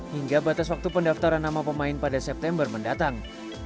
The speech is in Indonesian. hingga batas waktu pendaftaran nama pemain pada september mendatang